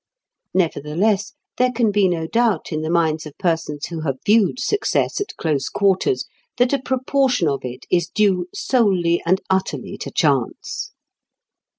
Nevertheless, there can be no doubt in the minds of persons who have viewed success at close quarters that a proportion of it is due solely and utterly to chance.